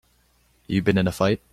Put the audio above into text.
You been in a fight?